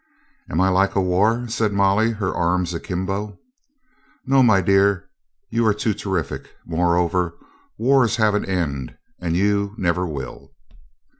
"Am I like a war?" said Molly, her arms akimbo. "No, my dear, you are too terrific. Moreover, wars have an end, and you never will."